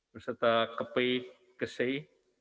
berserta kepi kesey